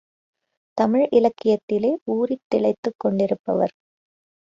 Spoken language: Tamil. தமிழ் இலக்கியத்திலே ஊறித் திளைத்துக் கொண்டிருப்பவர்.